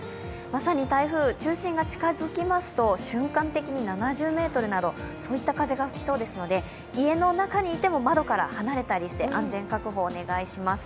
まさに台風、中心が近づきますと瞬間的に７０メートルなどの風が吹きそうなので、家の中にいても、窓から離れたりして安全確保をお願いします。